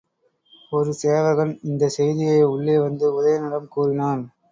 ஒரு சேவகன் இந்தச் செய்தியை உள்ளே வந்து உதயணனிடம் கூறினான்.